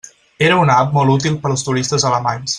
Era una app molt útil per als turistes alemanys.